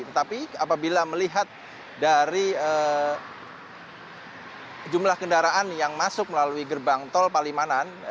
tetapi apabila melihat dari jumlah kendaraan yang masuk melalui gerbang tol palimanan